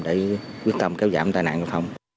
để quyết tâm kéo giảm tai nạn giao thông